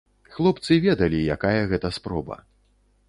Хлопцы ведалі, якая гэта спроба.